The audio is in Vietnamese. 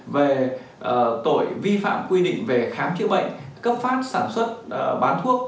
về tội vi phạm quy định về khám chữa bệnh cấp phát sản xuất bán thuốc